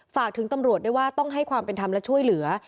ฝากถึงตำรวจด้วยว่าต้องให้ความเป็นธรรมและช่วยเหลือ